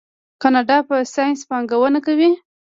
کاناډا په ساینس پانګونه کوي.